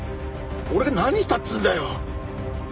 俺が何したっつうんだよ？